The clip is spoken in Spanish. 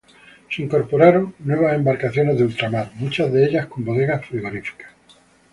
Se incorporaron nuevas embarcaciones de ultramar, muchas de ellas con bodegas frigoríficas.